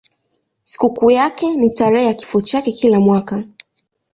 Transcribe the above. Sikukuu yake ni tarehe ya kifo chake kila mwaka.